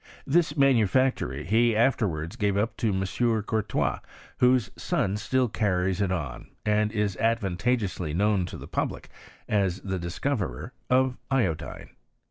This manufactory he afterwards gave up to M. Courtois, whose son still carries it on, and is advantageously known to the public as the discoverer of iodine.